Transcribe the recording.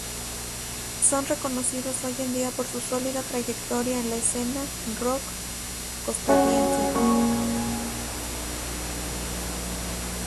Son reconocidos hoy en día por su sólida trayectoria en la escena rock costarricense.